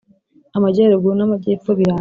Amajyaruguru na majyepfo birangana.